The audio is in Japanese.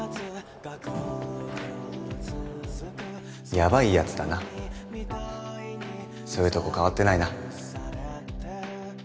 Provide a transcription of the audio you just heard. やばい奴だなそういうとこ変わってないな